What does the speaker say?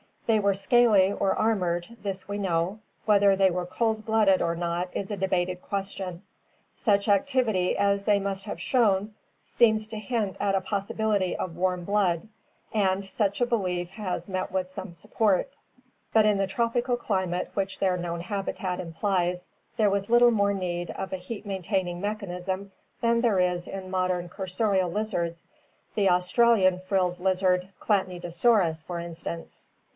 They were scaly or armored, this we know; whether they were cold blooded or not is a debated question. Such activity as they must have shown seems to hint at a possibility of warm blood, and such a belief has met with some support, but in the tropical climate which their known habitat implies there was little more need of a heat main taining mechanism than there is in modern cursorial lizards, the Australian frilled lizard Chlatnydosaurus, for instance.